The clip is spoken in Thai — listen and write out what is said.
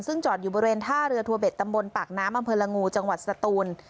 ซึ่งจอดอยู่บริเวณท่าเรือทัวเบ็ดตำบลปากน้ำอำเภอละงูจังหวัดสตูน